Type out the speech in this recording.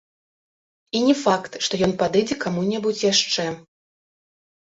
І не факт, што ён падыдзе каму-небудзь яшчэ.